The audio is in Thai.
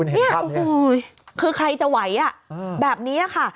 นี่คือใครจะไหวอะแบบนี้ค่ะ